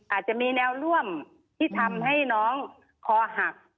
อาจจะมีแนวร่วมที่ทำให้น้องคอหัก